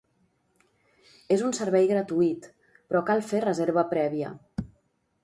És un servei gratuït, però cal fer reserva prèvia.